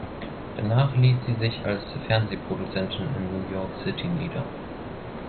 Danach ließ sie sich als Fernsehproduzentin in New York City nieder.